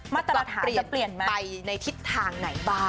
มาตรฐานเปลี่ยนไปในทิศทางไหนบ้าง